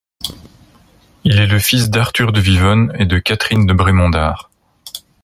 Il est le fils d'Arthur de Vivonne et de Catherine de Brémont d'Ars.